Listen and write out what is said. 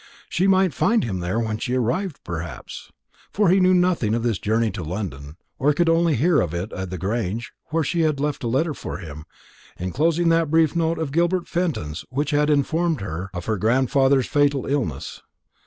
She might find him there when she arrived, perhaps; for he knew nothing of this journey to London, or could only hear of it at the Grange, where she had left a letter for him, enclosing that brief note of Gilbert Fenton's which had informed her of her grandfather's fatal illness.